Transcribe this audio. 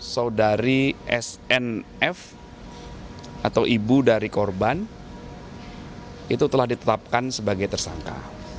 saudari snf atau ibu dari korban itu telah ditetapkan sebagai tersangka